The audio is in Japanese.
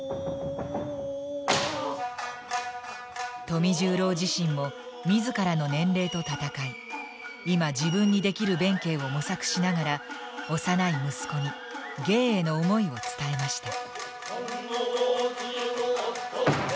富十郎自身も自らの年齢と闘い今自分にできる弁慶を模索しながら幼い息子に芸への想いを伝えました。